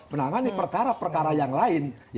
menangani perkara perkara yang lain